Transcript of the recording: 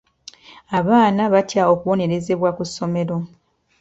Abaana batya okubonerezebwa ku ssomero.